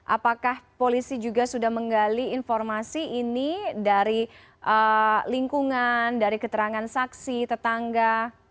apakah polisi juga sudah menggali informasi ini dari lingkungan dari keterangan saksi tetangga